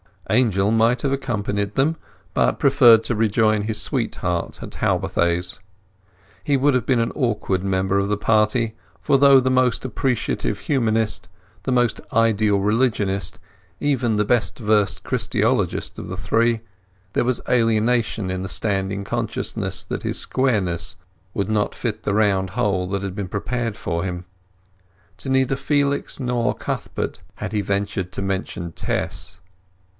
Angel might have accompanied them, but preferred to rejoin his sweetheart at Talbothays. He would have been an awkward member of the party; for, though the most appreciative humanist, the most ideal religionist, even the best versed Christologist of the three, there was alienation in the standing consciousness that his squareness would not fit the round hole that had been prepared for him. To neither Felix nor Cuthbert had he ventured to mention Tess.